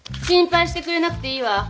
心配してくれなくていいわ。